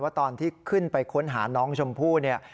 ตอนที่ขึ้นไปค้นหาน้องชมพู่เนี่ย